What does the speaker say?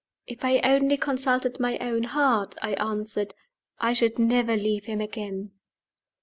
"If I only consulted my own heart," I answered, "I should never leave him again."